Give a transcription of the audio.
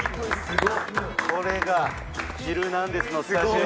これが『ヒルナンデス！』のスタジオ。